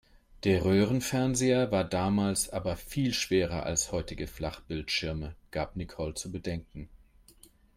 "Der Röhrenfernseher war damals aber viel schwerer als heutige Flachbildschirme", gab Nicole zu bedenken.